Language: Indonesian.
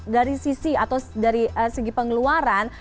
dari sisi atau dari segi pengeluaran